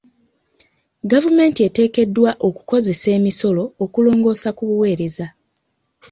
Gavumenti eteekeddwa okukozesa emisolo okulongoosa ku buweereza.